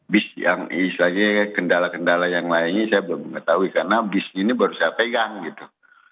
bis yang istilahnya kendala kendala yang lainnya saya belum mengetahui karena bis ini baru saya pegang gitu